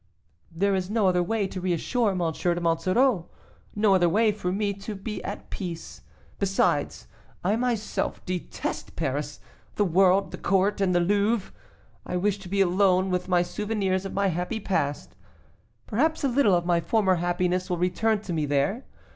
"There is no other way to reassure M. de Monsoreau; no other way for me to be at peace. Besides, I myself detest Paris, the world, the court, and the Louvre. I wish to be alone with my souvenirs of my happy past; perhaps a little of my former happiness will return to me there.